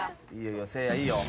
せいやいいよ。